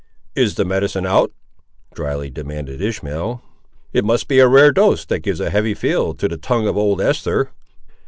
"Is the medicine out?" drily demanded Ishmael: "it must be a rare dose that gives a heavy feel to the tongue of old Eester!"